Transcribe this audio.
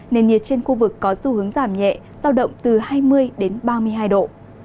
nền nhiệt trên khu vực có xu hướng giảm nhẹ giao động từ hai mươi đến ba mươi hai độ